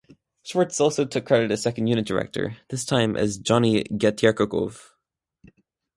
Schwartz also took credit as second unit director, this time as "Johnny Getyerkokov".